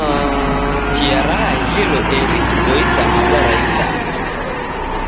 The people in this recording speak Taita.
Chia raaghilo eri kuboisa maza ra isanga.